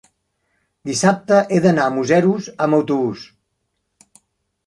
Dissabte he d'anar a Museros amb autobús.